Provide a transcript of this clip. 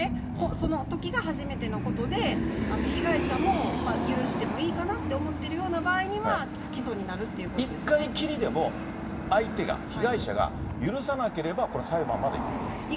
そのときが初めてのことで、被害者も許してもいいかなと思ってるような場合には、不起訴にな１回きりでも、相手が、被害者が許さなければ、これは裁判まで行くということですか。